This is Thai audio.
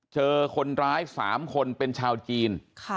เจอคนร้าย๓คนเป็นชาวจีน